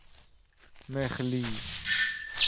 مخلی